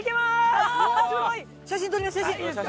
写真撮ります。